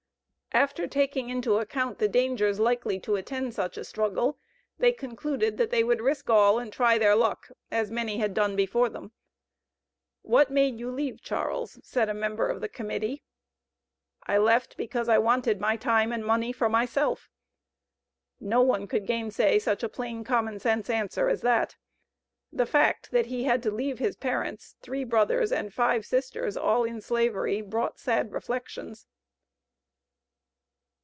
After taking into account the dangers likely to attend such a struggle, they concluded that they would risk all and try their luck, as many had done before them. "What made you leave, Charles?" said a member of the Committee. "I left because I wanted my time and money for myself." No one could gainsay such a plain common sense answer as that. The fact, that he had to leave his parents, three brothers, and five sisters, all in slavery, brought sad reflections.